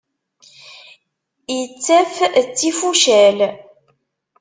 Ittaf d tifucal.